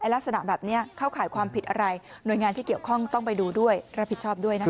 ลักษณะแบบนี้เข้าข่ายความผิดอะไรหน่วยงานที่เกี่ยวข้องต้องไปดูด้วยรับผิดชอบด้วยนะคะ